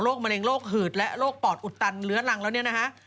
มะเร็งโรคหืดและโรคปอดอุดตันเลื้อรังแล้วเนี่ยนะฮะ